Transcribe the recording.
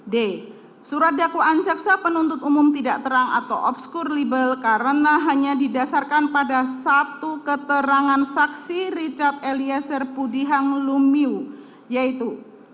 d surat dakwaan jaksa penuntut umum tidak terang atau obskur libel karena hanya didasarkan pada satu keterangan saksi richard eliezer pudihang lumiu yaitu